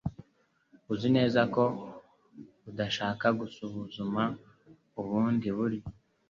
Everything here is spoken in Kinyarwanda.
Uzi neza ko udashaka gusuzuma ubundi buryo?